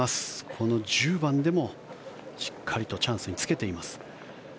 この１０番でもしっかりとチャンスにつけています。